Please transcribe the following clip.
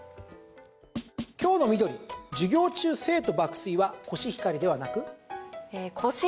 今日の緑、授業中生徒爆睡はコシヒカリではなく？